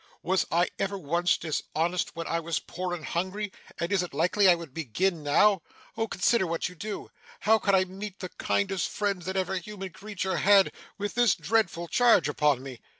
Was I ever once dishonest when I was poor and hungry, and is it likely I would begin now! Oh consider what you do. How can I meet the kindest friends that ever human creature had, with this dreadful charge upon me!